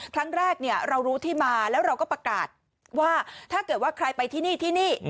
ครั้งแรกเรารู้ที่มาแล้วเราก็ประกาศว่าถ้าเกิดว่าใครไปที่นี่ที่นี่